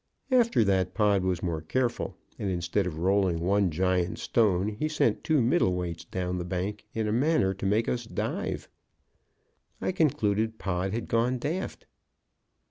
After that Pod was more careful, and instead of rolling one giant stone he sent two middle weights down the bank in a manner to make us dive. I concluded Pod had gone daft.